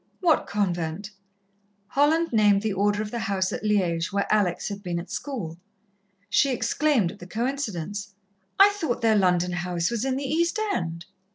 "What convent?" Holland named the Order of the house at Liège where Alex had been at school. She exclaimed at the coincidence. "I thought their London house was in the East End."